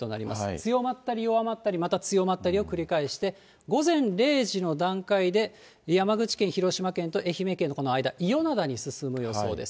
強まったり弱まったりまた強まったりを繰り返して、午前０時の段階で、山口県、広島県と愛媛県のこの間、伊予灘に進む予想です。